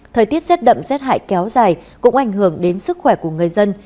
thời tiết rét đậm rét hại kéo dài cũng ảnh hưởng đến sức khỏe của người dân